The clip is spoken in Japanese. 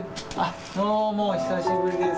どうも、久しぶりです。